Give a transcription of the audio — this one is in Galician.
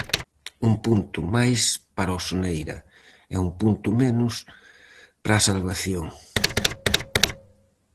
Un punto máis para o Soneira, e un punto menos para a salvación.